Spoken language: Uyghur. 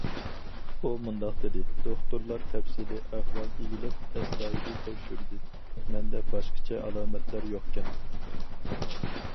ئۇ مۇنداق دېدى: دوختۇرلار تەپسىلىي ئەھۋال ئىگىلەپ، ئەستايىدىل تەكشۈردى، مەندە باشقىچە ئالامەتلەر يوقكەن.